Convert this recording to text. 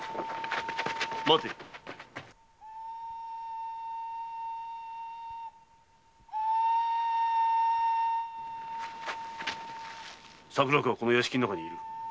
待て桜子はこの屋敷の中に居る。